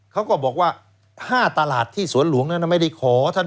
เขาก็บอกว่า๕ตลาดที่สวรรค์